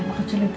anak kecil itu ya